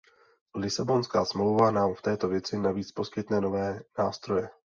Lisabonská smlouva nám v této věci navíc poskytne nové nástroje.